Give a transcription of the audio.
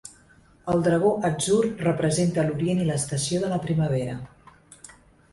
El Dragó Atzur representa l'Orient i l'estació de la primavera.